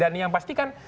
dan yang pasti kan